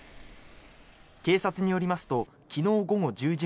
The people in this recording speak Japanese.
警察によりますと昨日午後１０時